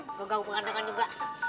gak gak gue pengen dengerin juga